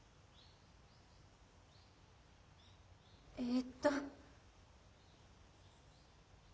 えっと。